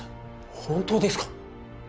本当ですか！？